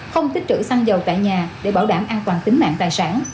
không tích trữ xăng dầu tại nhà để bảo đảm an toàn tính mạng tài sản